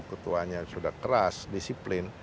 ketuanya sudah keras disiplin